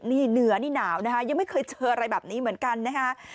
นี่เหนือนี่หนาวนะคะยังไม่เคยเจออะไรแบบนี้เหมือนกันนะฮะ